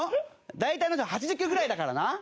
大体あの人８０キロぐらいだからな。